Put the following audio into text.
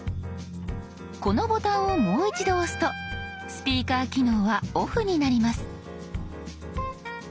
このボタンをもう一度押すとスピーカー機能はオフになります。